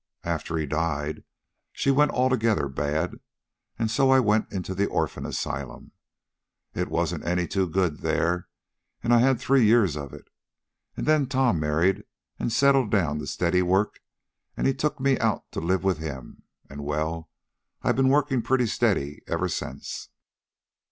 After he died, she went altogether bad, and so I went into the orphan asylum. It wasn't any too good there, and I had three years of it. And then Tom had married and settled down to steady work, and he took me out to live with him. And well, I've been working pretty steady ever since."